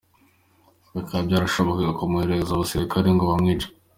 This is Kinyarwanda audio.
Bikaba byarashobokaga kumwoherezaho abasirikare ngo bamwice.”